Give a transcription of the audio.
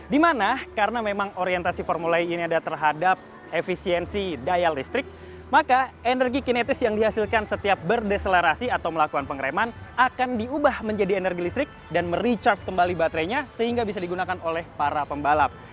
dimana karena memang orientasi formula e ini ada terhadap efisiensi daya listrik maka energi kinetis yang dihasilkan setiap berdeselerasi atau melakukan pengereman akan diubah menjadi energi listrik dan merecharge kembali baterainya sehingga bisa digunakan oleh para pembalap